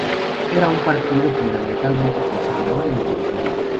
Era un partido fundamentalmente conservador y autoritario.